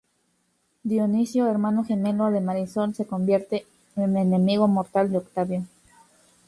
Dionisio, hermano gemelo de Marisol, se convierte en enemigo mortal de Octavio.